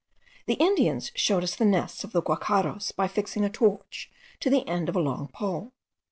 The Indians showed us the nests of the guacharos by fixing a torch to the end of a long pole.